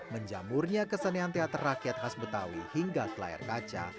menjamurnya kesenian teater rakyat khas betawi hingga ke layar kaca